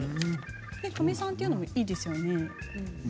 かみさんというのもいいですよね。